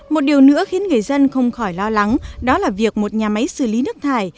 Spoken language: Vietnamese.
một điều nữa khiến người dân không khỏi lo lắng đó là việc một nhà máy xử lý nước thải